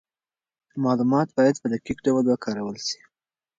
معلومات باید په دقیق ډول وکارول سي.